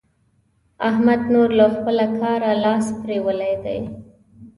احمد نور له خپله کاره لاس پرېولی دی.